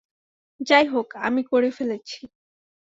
যাই হোক, আমি করে ফেলেছি।